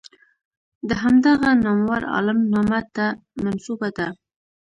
د همدغه نامور عالم نامه ته منسوبه ده.